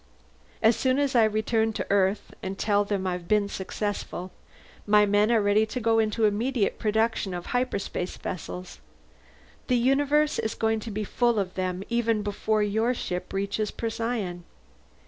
"As soon as I return to Earth and tell them I've been successful. My men are ready to go into immediate production of hyperspace vessels. The universe is going to be full of them even before your ship reaches Procyon!"